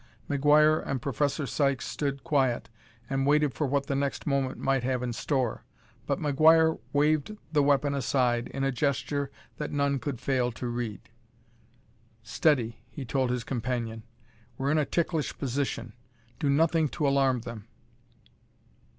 McGuire and Professor Sykes stood quiet and waited for what the next moment might have in store, but McGuire waved the weapon aside in a gesture that none could fail to read. "Steady," he told his companion. "We're in a ticklish position. Do nothing to alarm them."